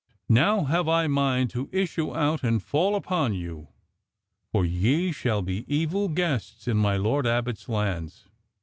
Now have I mind to issue out and fall upon you: for ye shall be evil guests in my Lord Abbot's lands."